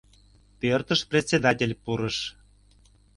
Пӧртыш председатель пурыш.